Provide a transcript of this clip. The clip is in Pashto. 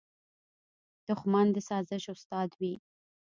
دښمن د سازش استاد وي